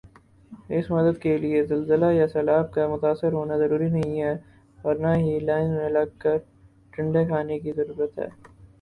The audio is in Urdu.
اس مدد کیلئے زلزلہ یا سیلاب کا متاثر ہونا ضروری نہیں ھے اور نہ ہی لائن میں لگ کر ڈانڈے کھانے کی ضرورت ھے